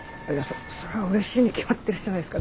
そそれはうれしいに決まってるじゃないですか。